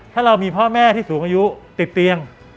ถ้าเรามีพ่อแม่ที่สูงอายุติดเตียง